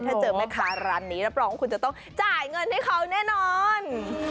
ถ้าเจอแม่ค้าร้านนี้รับรองว่าคุณจะต้องจ่ายเงินให้เขาแน่นอน